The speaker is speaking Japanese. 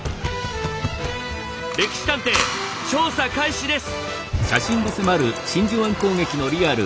「歴史探偵」調査開始です。